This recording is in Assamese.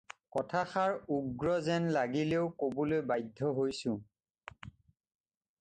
কথাষাৰ উগ্ৰ যেন লাগিলেও ক'বলৈ বাধ্য হৈছোঁ।